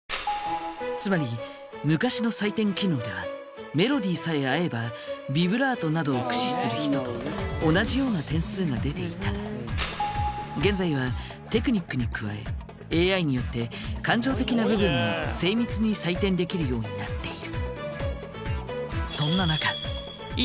つまり昔の採点機能ではメロディーさえ合えばビブラートなどを駆使する人と同じような点数が出ていたが現在はテクニックに加えＡＩによって感情的な部分も精密に採点できるようになっている。